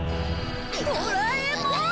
ドラえもん！